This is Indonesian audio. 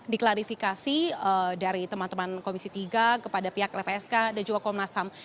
diklarifikasi dari teman teman komisi tiga kepada pihak lpsk dan juga komnas ham